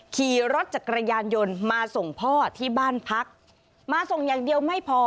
ขี่รถจักรยานยนต์มาส่งพ่อที่บ้านพักมาส่งอย่างเดียวไม่พอ